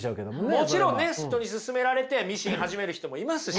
もちろんね人に勧められてミシン始める人もいますし。